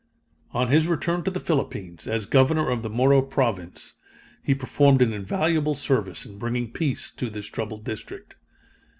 On his return to the Philippines, as Governor of the Moro Province, he performed an invaluable service in bringing peace to this troubled district.